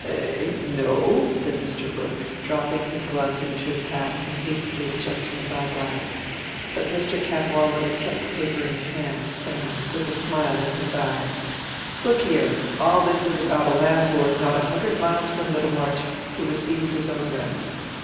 "Eh? no," said Mr. Brooke, dropping his gloves into his hat and hastily adjusting his eye glass. But Mr. Cadwallader kept the paper in his hand, saying, with a smile in his eyes— "Look here! all this is about a landlord not a hundred miles from Middlemarch, who receives his own rents.